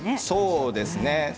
そうですね。